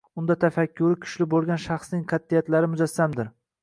Unda tafakkuri kuchli boʻlgan shaxsning qatʼiyatlari mujassamdir.